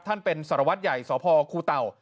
ท่านเป็นสารวัตรใหญ่สพคูเต่า